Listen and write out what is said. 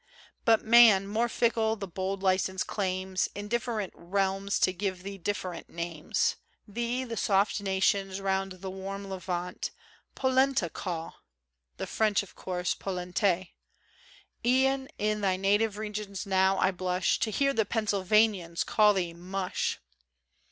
But man, more fickle, the bold license claims, In different realms to give thee different names. Thee the soft nations round the warm Levant Polenta call; the French of course, polente. E'en in thy native regions now, I blush To hear the Pennsylvanians call thee Mush